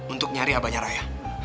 untuk nyari aba nyeraya